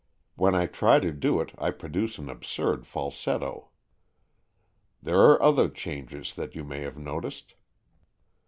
When I try to do it, I produce an absurd falsetto. There are other changes that you may have noticed."